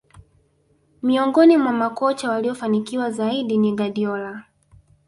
miongoni mwa makocha waliofanikiwa zaidi ni guardiola